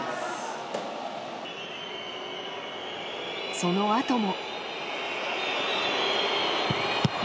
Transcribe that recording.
そのあとも。